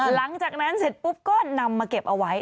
หลังจากนั้นเสร็จปุ๊บก็นำมาเก็บเอาไว้